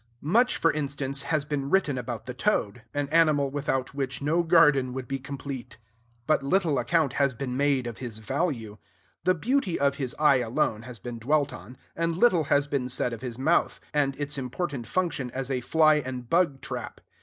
Much, for instance, has been written about the toad, an animal without which no garden would be complete. But little account has been made of his value: the beauty of his eye alone has been dwelt on; and little has been said of his mouth, and its important function as a fly and bug trap.